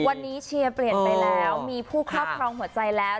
วันนี้เชียร์เปลี่ยนไปแล้วมีผู้ครอบครองหัวใจแล้ว